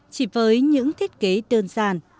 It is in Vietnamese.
chỉ với những thiết kế đơn giản